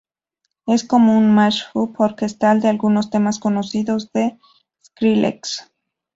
Es como un mash-up Orquestal de algunos temas conocidos de Skrillex.